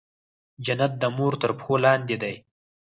جنت د مور تر پښو لاندې دی